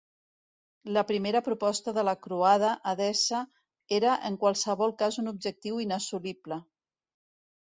La primera proposta de la croada, Edessa, era en qualsevol cas un objectiu inassolible.